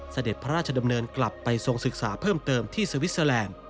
เสด็จพระราชดำเนินกลับไปทรงศึกษาเพิ่มเติมที่สวิสเตอร์แลนด์